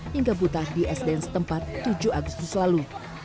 hingga buta di sdn setempat tujuh agustus lalu